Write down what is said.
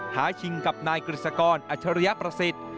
ชิงกับนายกฤษกรอัชริยประสิทธิ์